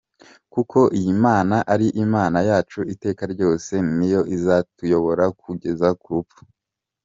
Kuko iyi Mana ari Imana yacu iteka ryose, Ni yo izatuyobora kugeza ku rupfu.